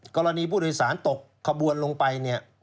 กรณีผู้โดยสารตกคบวนลงไป